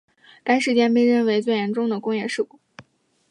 该事件被认为最严重的工业事故。